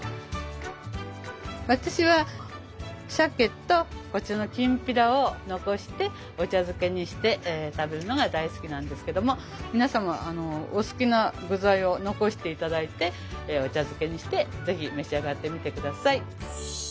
私はしゃけとこちらのきんぴらを残してお茶漬けにして食べるのが大好きなんですけども皆様お好きな具材を残して頂いてお茶漬けにして是非召し上がってみて下さい。